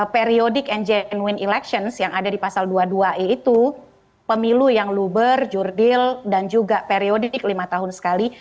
periodik and jenuin elections yang ada di pasal dua puluh dua e itu pemilu yang luber jurdil dan juga periodik lima tahun sekali